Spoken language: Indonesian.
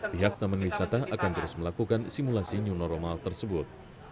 pihak taman wisata akan terus melakukan simulasi new normal tersebut